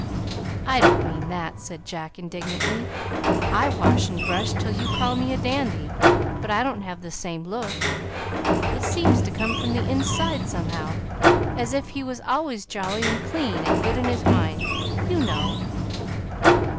"I don't mean that!" said Jack indignantly. "I wash and brush till you call me a dandy, but I don't have the same look it seems to come from the inside, somehow, as if he was always jolly and clean and good in his mind, you know."